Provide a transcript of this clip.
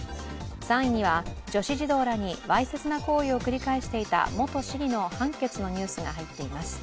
３位には、女子児童らにわいせつな行為を繰り返していた元市議の判決のニュースが入っています。